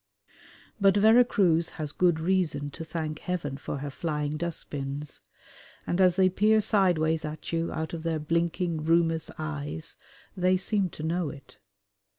But Vera Cruz has good reason to thank heaven for her flying dustbins, and as they peer sideways at you out of their blinking rheumous eyes they seem to know it.